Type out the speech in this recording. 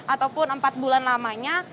ataupun empat bulan lamanya